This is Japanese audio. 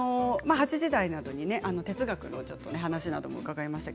８時台などに哲学のお話なども伺いました。